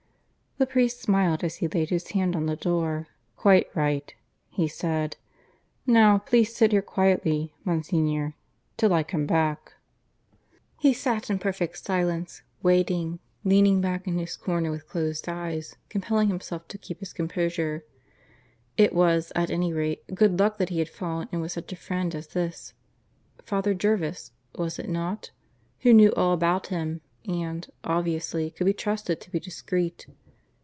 The priest smiled as he laid his hand on the door. "Quite right," he said. "Now please sit here quietly, Monsignor, till I come back." (III) He sat in perfect silence, waiting, leaning back in his corner with closed eyes, compelling himself to keep his composure. It was, at any rate, good luck that he had fallen in with such a friend as this Father Jervis, was it not? who knew all about him, and, obviously, could be trusted to be discreet.